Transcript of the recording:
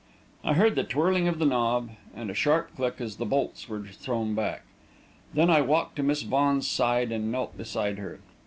I heard the twirling of the knob, and a sharp click as the bolts were thrown back. Then I walked to Miss Vaughan's side and knelt beside her.